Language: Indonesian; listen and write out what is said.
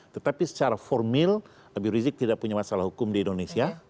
tetapi secara formil habib rizik tidak punya masalah hukum di indonesia